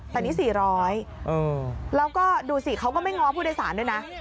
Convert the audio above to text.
แต่นี่ซี่ร้อยแล้วก็เขาก็ไม่ง้อผู้โดยสารด้วยนะ